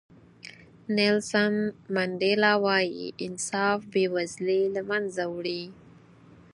نیلسن منډیلا وایي انصاف بې وزلي له منځه وړي.